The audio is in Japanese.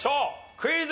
クイズ。